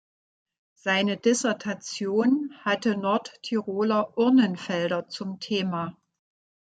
Seine Dissertation hatte „Nordtiroler Urnenfelder“ zum Thema.